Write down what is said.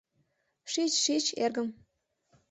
Шич, шич, эргым.